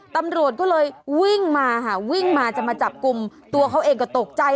ตำรวจก็เลยวิ่งมาค่ะวิ่งมาจะมาจับกลุ่มตัวเขาเองก็ตกใจ